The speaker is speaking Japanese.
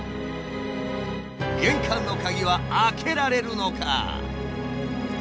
玄関の鍵は開けられるのか？